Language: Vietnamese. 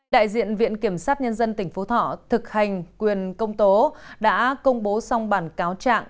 đại diện viện kiểm sát nhân dân tỉnh phú thọ thực hành quyền công tố đã công bố xong bản cáo trạng